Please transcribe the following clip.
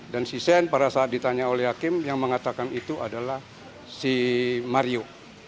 dan si shane pada saat ditanya oleh hakim yang mengatakan itu adalah si mario